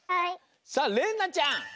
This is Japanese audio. さあれんなちゃん。